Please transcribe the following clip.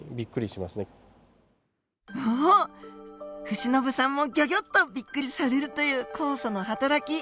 伏信さんもギョギョッとびっくりされるという酵素の働き。